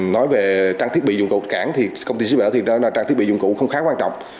nói về trang thiết bị dụng cụ trang thiết bị dụng cụ không khá quan trọng